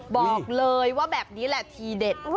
บอกเลยว่าแบบนี้แหละทีเด็ด